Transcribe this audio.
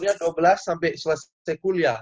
usia dua belas sampai selesai kuliah